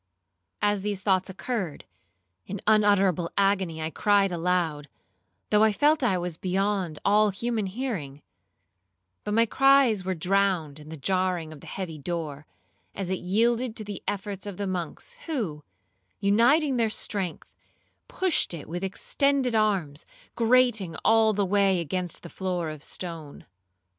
As these thoughts occurred, in unutterable agony I cried aloud, though I felt I was beyond all human hearing; but my cries were drowned in the jarring of the heavy door, as it yielded to the efforts of the monks, who, uniting their strength, pushed it with extended arms, grating all the way against the floor of stone.